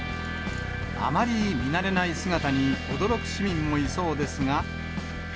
あまり見慣れない姿に驚く市民もいそうですが。